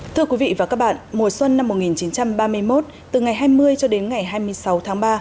thưa quý vị và các bạn mùa xuân năm một nghìn chín trăm ba mươi một từ ngày hai mươi cho đến ngày hai mươi sáu tháng ba